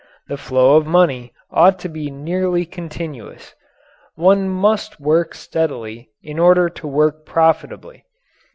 The flow of money ought to be nearly continuous. One must work steadily in order to work profitably.